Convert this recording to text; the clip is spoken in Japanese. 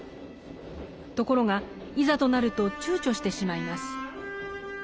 ところがいざとなると躊躇してしまいます。